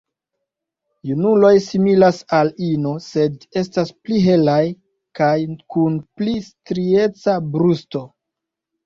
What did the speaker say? Junuloj similas al ino, sed estas pli helaj kaj kun pli strieca brusto.